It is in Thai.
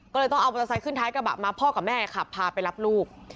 ก็เลยต้องเอามอเตอร์ไซค์ขึ้นท้ายกระบะมาพ่อกับแม่ขับพาไปรับลูก